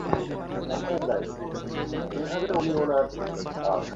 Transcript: ভগবানের কাছে প্রার্থনা করছিলেন?